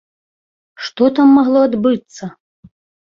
Што там магло адбыцца?